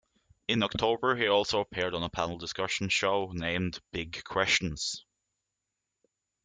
In October he also appeared on a panel discussion show named "Big Questions".